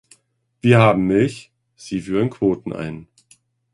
Wir haben Milch – sie führen Quoten ein.